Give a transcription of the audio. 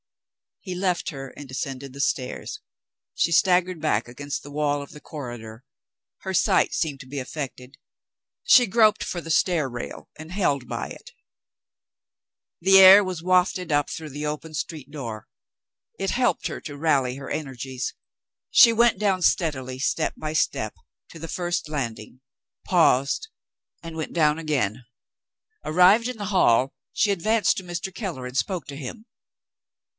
He left her, and descended the stairs. She staggered back against the wall of the corridor. Her sight seemed to be affected. She groped for the stair rail, and held by it. The air was wafted up through the open street door. It helped her to rally her energies. She went down steadily, step by step, to the first landing paused, and went down again. Arrived in the hall, she advanced to Mr. Keller, and spoke to him.